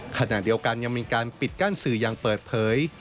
ขณะเดียวกันยังมีการปิดกั้นสื่ออย่างเปิดเผย